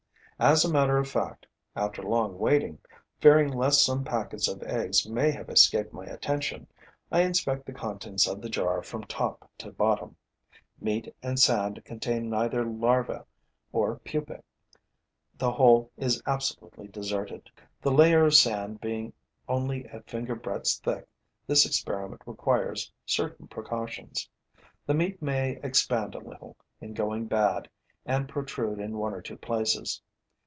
As a matter of fact, after long waiting, fearing lest some packets of eggs may have escaped my attention, I inspect the contents of the jar from top to bottom. Meat and sand contain neither larvae nor pupae: the whole is absolutely deserted. The layer of sand being only a finger's breadth thick, this experiment requires certain precautions. The meat may expand a little, in going bad, and protrude in one or two places.